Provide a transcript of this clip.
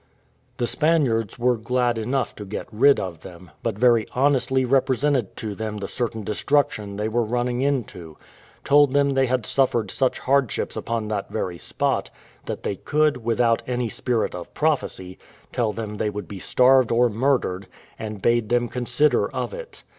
The Spaniards were glad enough to get rid of them, but very honestly represented to them the certain destruction they were running into; told them they had suffered such hardships upon that very spot, that they could, without any spirit of prophecy, tell them they would be starved or murdered, and bade them consider of it.